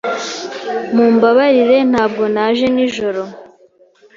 Mumbabarire ntabwo naje nijoro.